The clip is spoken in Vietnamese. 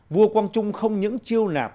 vua quang trung không những chiêu nạp